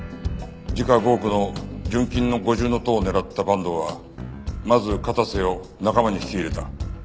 時価５億の純金の五重塔を狙った坂東はまず片瀬を仲間に引き入れた。